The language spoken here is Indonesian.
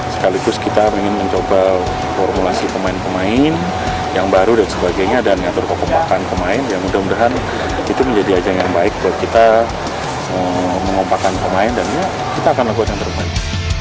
sekaligus kita ingin mencoba formulasi pemain pemain yang baru dan sebagainya dan ngatur kekompakan pemain ya mudah mudahan itu menjadi ajang yang baik buat kita mengompakan pemain dan kita akan lakukan yang terbaik